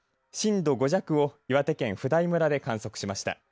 震度５弱を岩手県普代村で観測しました。